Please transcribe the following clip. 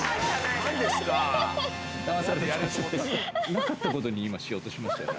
なかったことに今、しようとしましたよね。